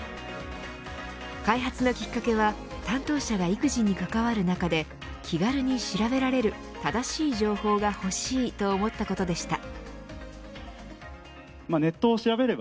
開発のきっかけは担当者が育児に関わる中で気軽に調べられる正しい情報がほしいと思ったことでした。